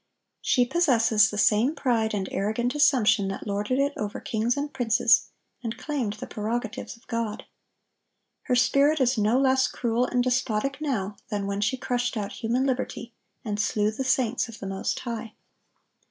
She possesses the same pride and arrogant assumption that lorded it over kings and princes, and claimed the prerogatives of God. Her spirit is no less cruel and despotic now than when she crushed out human liberty, and slew the saints of the Most High.